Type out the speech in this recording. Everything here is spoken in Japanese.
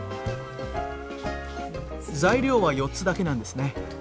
材料は４つだけなんですね。